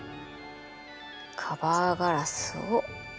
カバーガラスを。